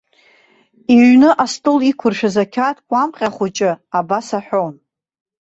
Иҩны астол иқәыршәыз ақьаад кәамҟьа хәҷы абас аҳәон.